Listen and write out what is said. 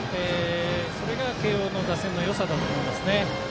それが慶応の打線のよさだと思いますね。